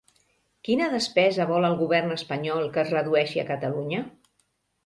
Quina despesa vol el govern espanyol que es redueixi a Catalunya?